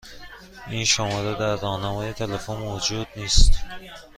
این شماره در راهنمای تلفن موجود نیست.